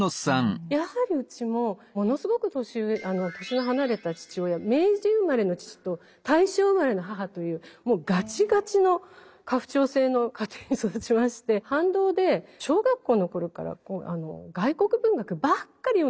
やはりうちもものすごく年上年の離れた父親明治生まれの父と大正生まれの母というガチガチの家父長制の家庭に育ちまして反動で小学校の頃から外国文学ばっかり読んでたんですね。